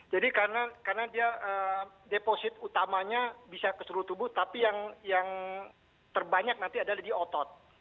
jadi karena dia deposit utamanya bisa ke seluruh tubuh tapi yang terbanyak nanti adalah di otot